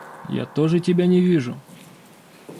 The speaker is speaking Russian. Я тоже тебя не вижу!..